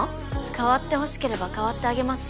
替わってほしければ替わってあげますよ